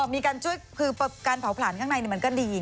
มีการช่วยคือการเผาผลาญข้างในมันก็ดี